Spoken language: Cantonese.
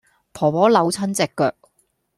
婆婆扭親隻腳